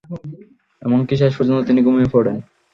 এমনকি শেষ পর্যন্ত তিনি ঘুমিয়ে পড়েন।